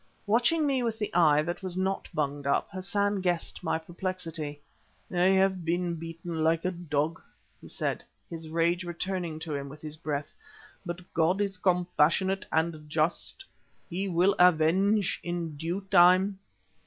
Watching me with the eye that was not bunged up, Hassan guessed my perplexity. "I have been beaten like a dog," he said, his rage returning to him with his breath, "but God is compassionate and just, He will avenge in due time."